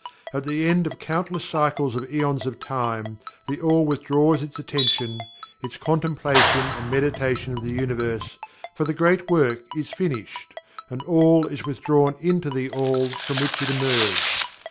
At the end of countless cycles of aeons of time, THE ALL withdraws its Attention its Contemplation and Meditation of the Universe, for the Great Work is finished and All is withdrawn into THE ALL from which it emerged.